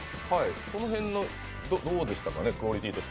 この辺、どうでしたかね。